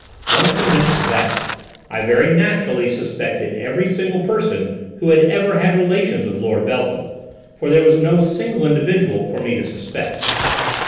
Once convinced of that, I very naturally suspected every single person who had ever had relations with Lord Beltham, for there was no single individual for me to suspect.